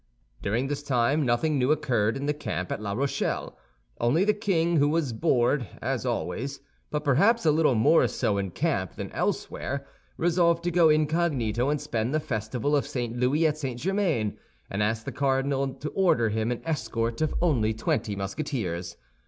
During this time nothing new occurred in the camp at La Rochelle; only the king, who was bored, as always, but perhaps a little more so in camp than elsewhere, resolved to go incognito and spend the festival of St. Louis at St. Germain, and asked the cardinal to order him an escort of only twenty Musketeers.